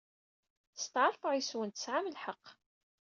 Steɛṛfeɣ yes-wen tesɛam lḥeqq.